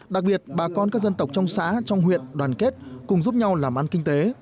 đặc biệt bà con các dân tộc trong xã trong huyện đoàn kết cùng giúp nhau làm ăn kinh tế